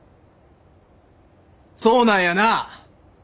そうなんやな！